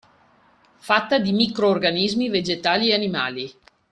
Fatta di microrganismi vegetali e animali